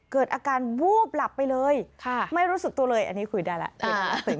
เกิดอาการวูบหลับไปเลยไม่รู้สึกตัวเลยอันนี้คุยได้แล้ว